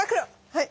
はい！